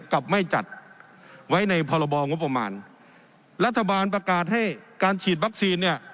กับไม่จัดไว้ในพรบงบประมาณรัฐบาลประกาศให้การฉีดวัคซีนเนี่ย